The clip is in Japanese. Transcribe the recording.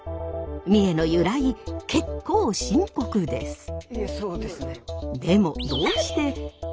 三重の由来結構深刻です。